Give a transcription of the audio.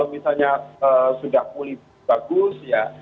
misalnya sudah pulih bagus ya